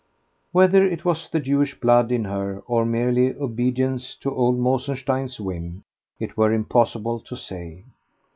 Whether it was the Jewish blood in her, or merely obedience to old Mosenstein's whim, it were impossible to say.